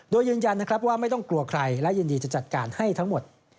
โดยยืนยันนะครับว่าไม่ต้องกลัวใครและยินดีจะจัดการให้ทั้งหมด